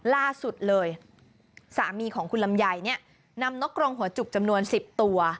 ล่าสุดเลยสามีของคุณลำไยเนี่ยนำนกกรงหัวจุกจำนวน๑๐ตัว